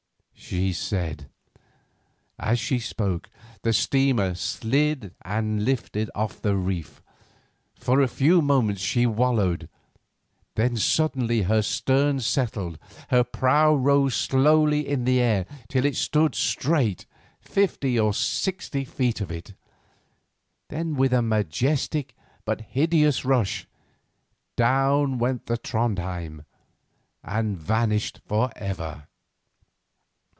she said. As she spoke the steamer slid and lifted off the reef. For a few moments she wallowed; then suddenly her stern settled, her prow rose slowly in the air till it stood up straight, fifty or sixty feet of it. Then, with a majestic, but hideous rush, down went the Trondhjem and vanished for ever.